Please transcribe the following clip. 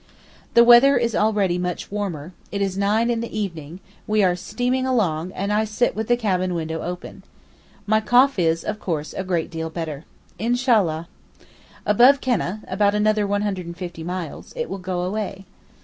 The weather is already much warmer, it is nine in the evening, we are steaming along and I sit with the cabin window open. My cough is, of course, a great deal better. Inshallah! Above Keneh (about another 150 miles) it will go away.